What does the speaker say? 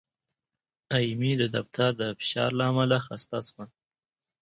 ایمي د دفتر د فشار له امله خسته شوه.